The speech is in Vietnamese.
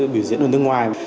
biểu diễn ở nước ngoài